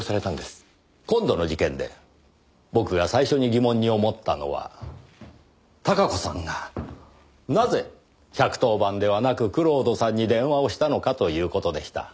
今度の事件で僕が最初に疑問に思ったのは孝子さんがなぜ１１０番ではなく蔵人さんに電話をしたのかという事でした。